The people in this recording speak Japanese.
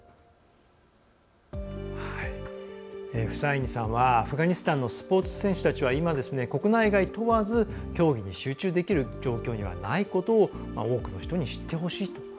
フサイニさんはアフガニスタンのスポーツ選手たちは今国内外問わず競技に集中できる状況にはないことを多くの人に知ってほしいと。